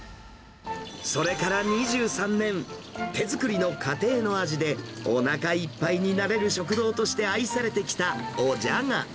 それから２３年、手作りの家庭の味でおなかいっぱいになれる食堂として愛されてきたおじゃが。